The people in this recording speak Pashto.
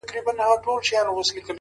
پر دې متل باندي څه شك پيدا سو.